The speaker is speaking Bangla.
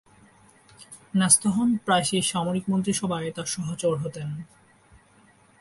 ন্যস্ত হন, প্রায়শই সামরিক মন্ত্রিসভায় তার সহচর হতেন।